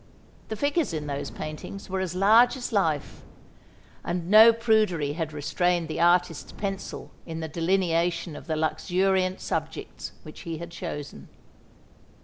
The figures in those paintings were as large as life; and no prudery had restrained the artist's pencil in the delineation of the luxuriant subjects which he had chosen.